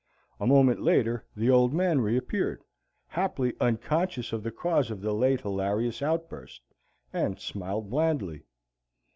A moment later and the Old Man reappeared, haply unconscious of the cause of the late hilarious outburst, and smiled blandly.